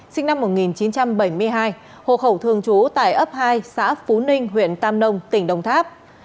sinh năm một nghìn chín trăm bảy mươi hai hộ khẩu thương chú tại ấp hai xã phú ninh huyện tam nông tỉnh đông tháp